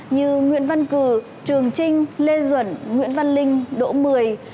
như nguyễn văn cử trường trinh lê duẩn nguyễn văn linh đỗ mười